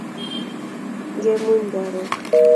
Ngemuny korok